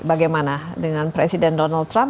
bagaimana dengan presiden donald trump